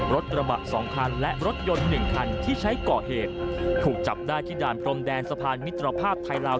รถกระบะสองคันและรถยนต์หนึ่งคันที่ใช้ก่อเหตุถูกจับได้ที่ด่านพรมแดนสะพานมิตรภาพไทยลาว